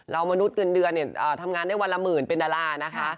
มนุษย์เงินเดือนเนี่ยทำงานได้วันละหมื่นเป็นดารานะคะ